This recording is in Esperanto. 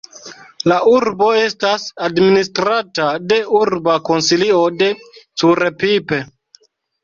La urbo estas administrata de Urba Konsilio de Curepipe.